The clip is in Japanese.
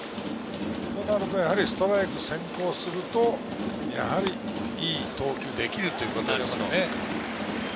となるとストライク先行すると、やはりいい投球ができるということですよね。